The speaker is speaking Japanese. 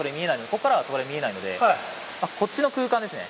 こっからはそれ見えないのでこっちの空間ですね